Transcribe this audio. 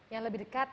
yang lebih dekat